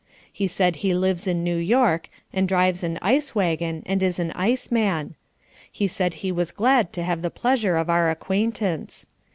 He said he lives in New York, and drives an ice wagon and is an ice man. He said he was glad to have the pleasure of our acquaintance.